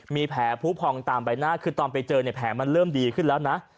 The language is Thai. มีแผลผู้พองตามใบหน้าคือตอนไปเจอเนี่ยแผลมันเริ่มดีขึ้นแล้วนะ